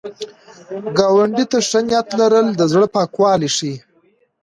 ګاونډي ته ښه نیت لرل، د زړه پاکوالی ښيي